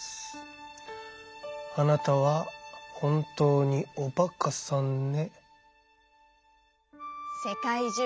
あなたは本当におバカさんね」。